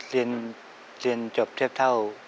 เรียนจบเทียบเท่า